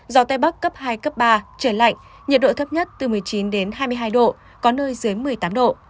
gió tây bắc cấp hai cấp ba trời lạnh nhiệt độ thấp nhất từ một mươi chín đến hai mươi hai độ có nơi dưới một mươi tám độ